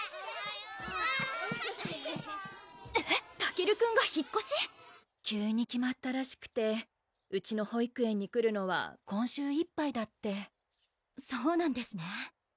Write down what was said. えったけるくんが引っこし⁉急に決まったらしくてうちの保育園に来るのは今週いっぱいだってそうなんですね